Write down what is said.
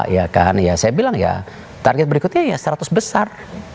ya kan ya saya bilang ya target berikutnya ya seratus besar